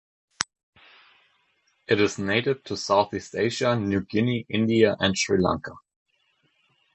It is native to Southeast Asia, New Guinea, India, and Sri Lanka.